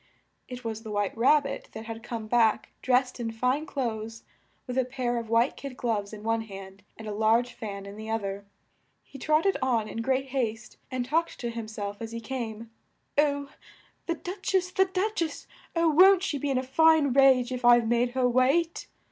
It was the White Rab bit that had come back, dressed in fine clothes, with a pair of white kid gloves in one hand, and a large fan in the oth er. He trot ted on in great haste, and talked to him self as he came, "Oh! the Duch ess, the Duch ess! Oh! won't she be in a fine rage if I've made her wait?"